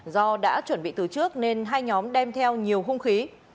do đã chuẩn bị từ trước nên hai nhóm đem theo nhiều hung khí